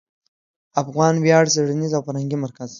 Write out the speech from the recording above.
افغان ویاړ څېړنیز او فرهنګي مرکز